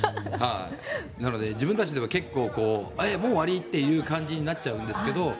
なので自分たちでももう終わり？という感じになっちゃうんですが。